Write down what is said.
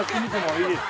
◆いいですか？